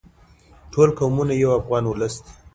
ټول قومونه یو افغان ولس دی.